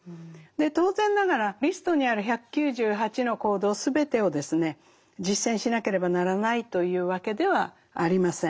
当然ながらリストにある１９８の行動全てをですね実践しなければならないというわけではありません。